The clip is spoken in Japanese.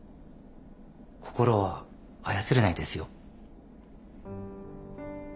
心は操れないですよ。